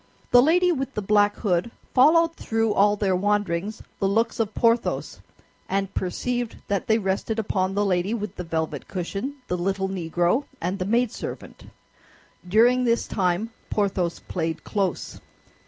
The lady with the black hood followed through all their wanderings the looks of Porthos, and perceived that they rested upon the lady with the velvet cushion, the little Negro, and the maid servant. During this time Porthos played close.